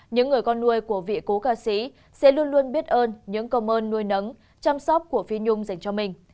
những người con nuôi của vị cố ca sĩ sẽ luôn luôn biết ơn những công ơn nuôi nấng chăm sóc của phi nhung dành cho mình